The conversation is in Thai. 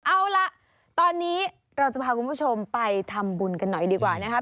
เอาล่ะตอนนี้เราจะพาคุณผู้ชมไปทำบุญกันหน่อยดีกว่านะครับ